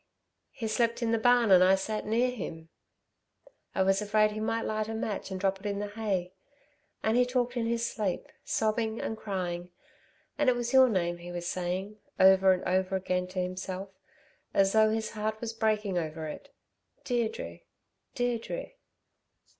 He slept in the barn and I sat near him ... I was afraid he might light a match and drop it in the hay ... and he talked in his sleep sobbing and crying and it was your name he was saying, over and over again to himself, as though his heart was breaking over it, 'Deirdre! Deirdre!'"